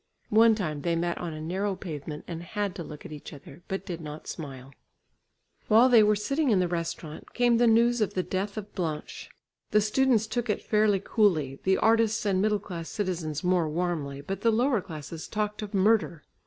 One time they met on a narrow pavement, and had to look at each other, but did not smile. While they were sitting in the restaurant, came the news of the death of Blanche. The students took it fairly coolly, the artists and middle class citizens more warmly, but the lower classes talked of murder.